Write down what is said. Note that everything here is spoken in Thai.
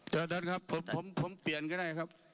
จากนั้นครับผมเปลี่ยนก็ได้ครับ